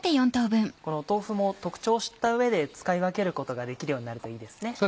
この豆腐も特徴を知った上で使い分けることができるようになるといいですね。